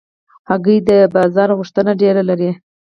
هګۍ د بازار غوښتنه ډېره لري.